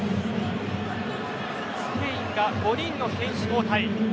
スペインが５人の選手交代。